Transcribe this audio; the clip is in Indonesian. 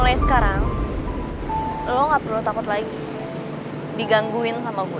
mulai sekarang lo gak perlu takut lagi digangguin sama gue